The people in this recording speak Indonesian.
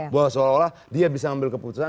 bahwa seolah olah dia bisa mengambil keputusan